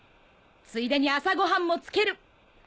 ついでに朝ごはんもつける！